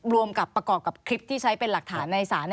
รวมกับประกอบกับคลิปที่ใช้เป็นหลักฐานในศาล